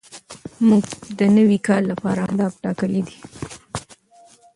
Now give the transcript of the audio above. موږ د نوي کال لپاره اهداف ټاکلي دي.